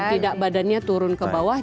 tidak badannya turun ke bawah